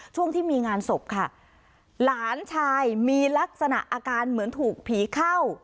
ช่วงที่มีงานศพค่ะหลานชายมีลักษณะอาการเหมือนถูกผีเข้า